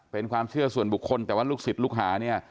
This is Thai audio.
เป็นความเชื่อส่วนบุคคลแต่ว่าลูกศิษย์ลูกหาเนี่ย